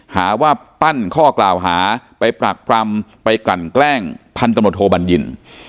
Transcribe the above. หาว่าปั้นข้อกล่าวหาไปปรักปรำไปกลั่นแกล้งพันตำรวจโทบัญญิน